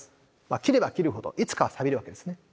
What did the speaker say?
斬れば斬るほどいつかはさびるわけですね。